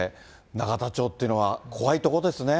永田町っていうのは怖いとこですね。